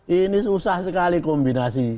ini susah sekali kombinasi